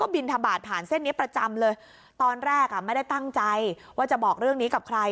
บินทบาทผ่านเส้นนี้ประจำเลยตอนแรกอ่ะไม่ได้ตั้งใจว่าจะบอกเรื่องนี้กับใคร